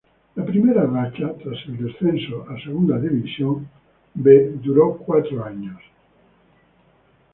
La primera racha tras el descenso de Segunda División B duró cuatro años.